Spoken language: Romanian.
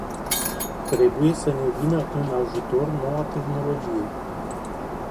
Trebuie să ne vină în ajutor noua tehnologie.